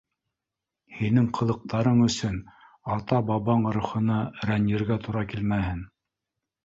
Һинең ҡылыҡтарың өсөн ата-бабаң рухына рәнйергә тура килмәһен.